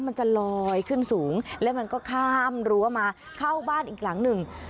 มันจะลอยขึ้นสูงแล้วมันก็ข้ามรั้วมาเข้าบ้านอีกหลังหนึ่ง